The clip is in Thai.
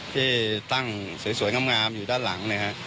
ที่ตั้งสวยงามอยู่ด้านหลังนะครับ